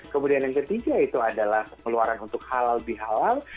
kemudian yang ketiga itu adalah pengeluaran untuk halal bihalal